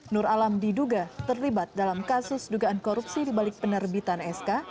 nur alam diduga terlibat dalam kasus dugaan korupsi dibalik penerbitan sk